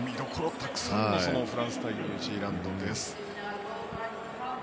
たくさんのフランス対ニュージーランドです。